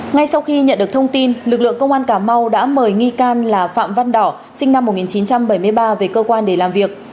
ngay sau khi nhận được thông tin lực lượng công an cà mau đã mời nghi can là phạm văn đỏ sinh năm một nghìn chín trăm bảy mươi ba về cơ quan để làm việc